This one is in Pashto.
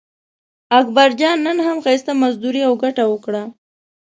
اکبرجان نن هم ښایسته مزدوري او ګټه وکړه.